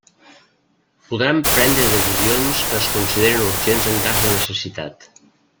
Podran prendre decisions que es consideren urgents en cas de necessitat.